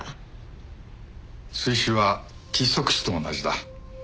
水死は窒息死と同じだ。